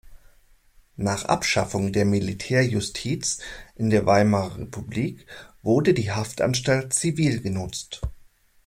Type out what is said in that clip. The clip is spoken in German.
Nach Abschaffung der Militärjustiz in der Weimarer Republik wurde die Haftanstalt zivil genutzt.